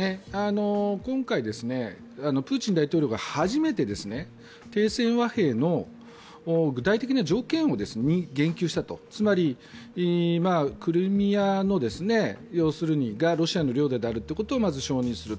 今回、プーチン大統領が初めて停戦和平の具体的な条件に言及したとつまりクリミアがロシアの領土であるということをまず承認する。